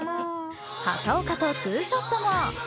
畑岡とツーショットも。